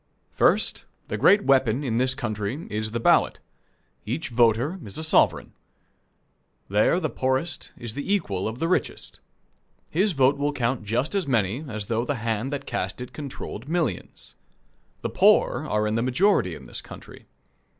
First, the great weapon in this country is the ballot. Each voter is a sovereign. There the poorest is the equal of the richest. His vote will count just as many as though the hand that cast it controlled millions. The poor are in the majority in this country.